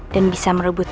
dan bisa merebut